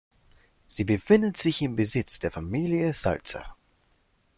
Sie befindet sich im Besitz der Familie Salzer.